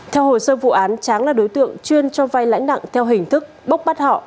theo hồ sơ vụ án tráng là đối tượng chuyên cho vai lãi nặng theo hình thức bốc bắt họ